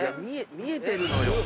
見えてるのよ。